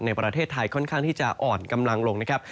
ในประเทศไทยค่อนข้างที่จะอ่อนกำลังลงนะครับ